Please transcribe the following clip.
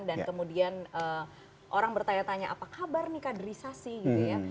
dan kemudian orang bertanya tanya apa kabar nih kaderisasi gitu ya